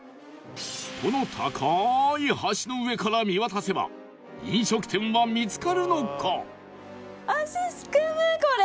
この高い橋の上から見渡せば飲食店は見つかるのか？